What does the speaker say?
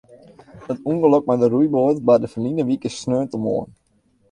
It ûngelok mei de roeiboat barde ferline wike sneontemoarn.